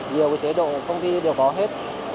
nhiều cái chế độ công ty đều có hết